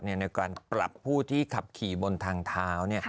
ในการปรับผู้ที่ขับขี่บนทางเท้า